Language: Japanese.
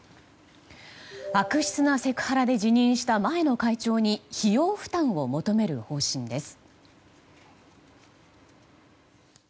悪質なセクハラで辞任した前の会長に費用負担を求める方針です。